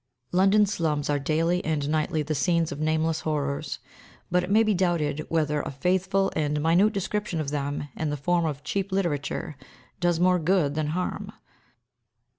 London slums are daily and nightly the scenes of nameless horrors, but it may be doubted whether a faithful and minute description of them, in the form of cheap literature, does more good than harm.